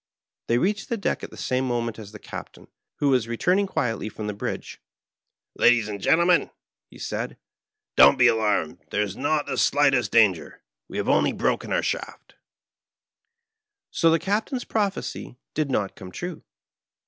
They reached the deck at the same moment as the Captain, who was returning quietly from the bridge. "Ladies and gentlemen,'' he said, "don't be alarmed; there is not the slightest danger. We have only broken our shaft I "••••••• So the Captain's prophecy did not come trne.